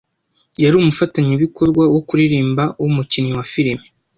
yari umufatanyabikorwa wo kuririmba wumukinnyi wa firime